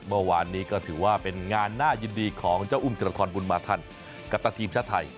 เมื่อวานนี้ก็ถือว่าเป็นงานน่ายินดีของเจ้าอุ้มธิรทรบุญมาทันกัปตันทีมชาติไทย